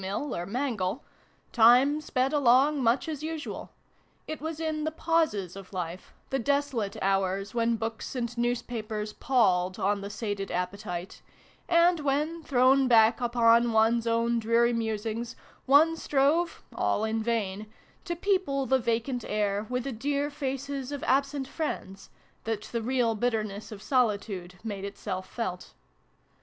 mill or a mangle time sped along much as usual : it was in the pauses of life, the desolate hours when books and newspapers palled on the sated appetite, and when, thrown back upon one's own dreary musings, one strove all in vain to people the vacant air with the dear faces of absent friends, that the real bitter ness of solitude made itself felt.